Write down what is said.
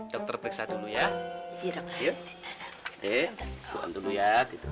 dokter teksa dulu ya